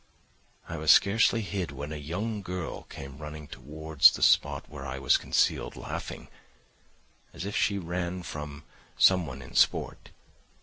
I was scarcely hid when a young girl came running towards the spot where I was concealed, laughing, as if she ran from someone in sport.